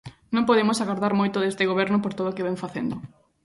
Non podemos agardar moito deste Goberno por todo o que vén facendo.